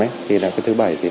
mình gửi với những công việc